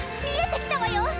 見えてきたわよ！